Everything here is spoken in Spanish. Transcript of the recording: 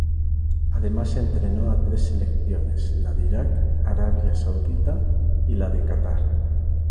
Además entrenó a tres selecciones, la de Irak, Arabia Saudita y la de Catar.